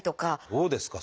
どうですか？